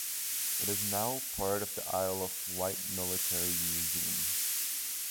It is now part of the Isle of Wight Military Museum.